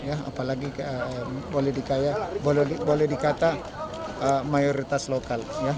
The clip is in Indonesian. apalagi boleh dikata mayoritas lokal